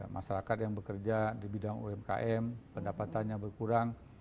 masyarakat yang bekerja di bidang umkm pendapatannya berkurang